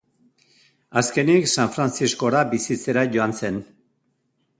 Azkenik, San Frantziskora bizitzera joan zen.